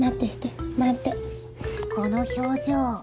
この表情。